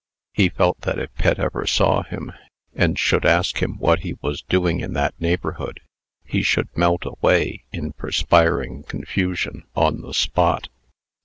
He felt that, if Pet ever saw him, and should ask him what he was doing in that neighborhood, he should melt away in perspiring confusion on the spot.